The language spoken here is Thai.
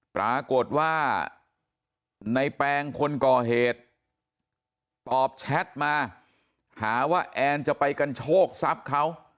ปรากฏว่าในแปงคนก่อเหตุตอบแชทมาหาว่าแอนจะไปกันโชคทรัพย์เขา